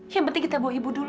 yang penting kita bawa ibu dulu